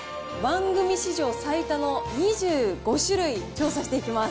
番組史上最多の２５種類、調査していきます。